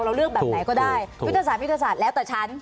เราเลือกแบบไหนก็ได้วิทยาศาสตร์วิทยาศาสตร์แล้วแต่ฉัน